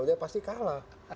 dia pasti kalah